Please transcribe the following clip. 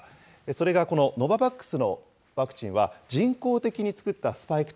それがこのノババックスのワクチンは、人工的に作ったスパイク